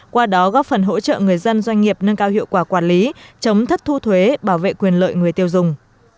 qua đó góp phần hỗ trợ người dân doanh nghiệp nâng cao hiệu quả quản lý chống thất thu thuế bảo vệ quyền lợi người tiêu dùng